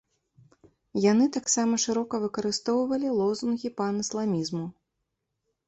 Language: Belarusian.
Яны таксама шырока выкарыстоўвалі лозунгі панісламізму.